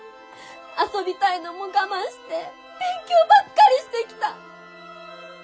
遊びたいのも我慢して勉強ばっかりしてきた。